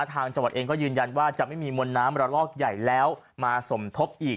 ทางจังหวัดเองก็ยืนยันว่าจะไม่มีมวลน้ำระลอกใหญ่แล้วมาสมทบอีก